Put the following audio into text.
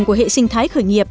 của hệ sinh thái khởi nghiệp